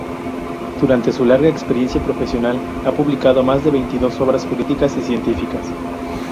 Durante su larga experiencia profesional, ha publicado más de veintidós obras jurídicas y científicas.